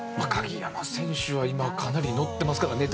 鍵山選手はかなり乗っていますから。